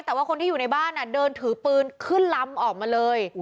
แต่ว่าคนที่อยู่ในบ้านเดินถือปืนขึ้นลำออกมาเลย